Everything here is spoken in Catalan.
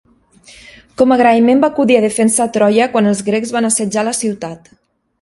Com a agraïment va acudir a defensar Troia quan els grecs van assetjar la ciutat.